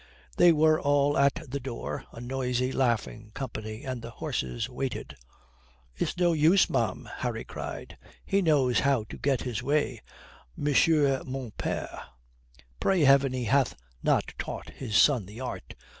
They were all at the door, a noisy, laughing company, and the horses waited. "It's no use, ma'am," Harry cried, "he knows how to get his way, monsieur mon père." "Pray heaven he hath not taught his son the art!"